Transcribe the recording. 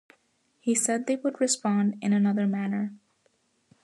He said they would respond "in another manner".